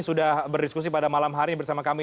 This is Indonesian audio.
sudah berdiskusi pada malam hari bersama kami